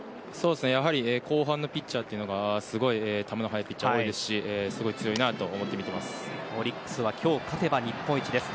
やはり後半のピッチャーというのがすごい球の速いピッチャーが多いしオリックスは今日勝てば日本一です。